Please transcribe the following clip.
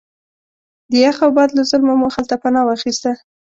د یخ او باد له ظلمه مو هلته پناه واخسته.